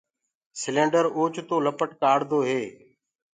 سيلينڊر اوچتو لپٽ ڪآڙدو هي۔